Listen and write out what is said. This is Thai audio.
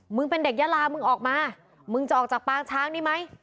เป็นเด็กยาลามึงออกมามึงจะออกจากปางช้างนี่ไหม